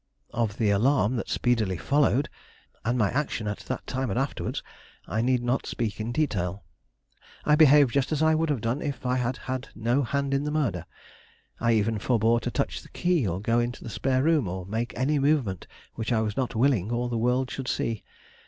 Of the alarm that speedily followed, and my action at that time and afterwards, I need not speak in detail. I behaved just as I would have done if I had had no hand in the murder. I even forbore to touch the key or go to the spare room, or make any movement which I was not willing all the world should see.